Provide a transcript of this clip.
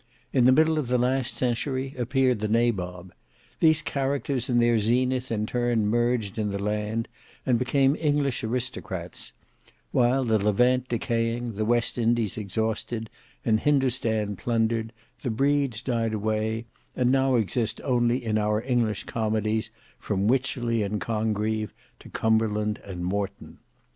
In the middle of the last century appeared the Nabob. These characters in their zenith in turn merged in the land, and became English aristocrats; while the Levant decaying, the West Indies exhausted, and Hindostan plundered, the breeds died away, and now exist only in our English comedies from Wycherly and Congreve to Cumberland and Morton.